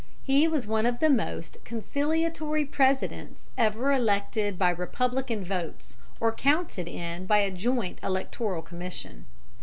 He was one of the most conciliatory Presidents ever elected by Republican votes or counted in by a joint Electoral Commission.